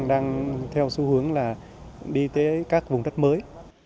đang theo xu hướng là đi tới các vùng đất mới